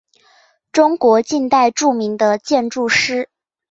中国近代著名的建筑师。